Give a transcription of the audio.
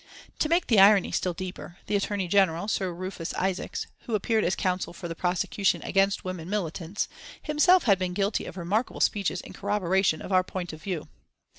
To make the irony still deeper the Attorney General, Sir Rufus Isaacs, who appeared as Counsel for the prosecution against women militants, himself had been guilty of remarkable speeches in corroboration of our point of view.